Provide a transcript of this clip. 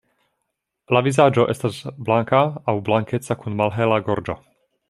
La vizaĝo estas blanka aŭ blankeca kun malhela gorĝo.